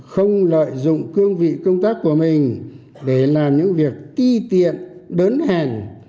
không lợi dụng cương vị công tác của mình để làm những việc ti tiện đớn hèn